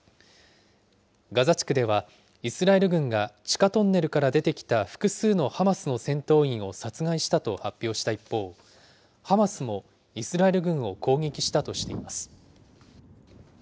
ガザ地区では、イスラエル軍が地下トンネルから出てきた複数のハマスの戦闘員を殺害したと発表した一方、ハマスもイスラエル軍を攻撃したとしています。